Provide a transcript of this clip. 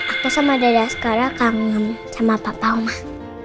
aku sama dede askara kangen sama papa omah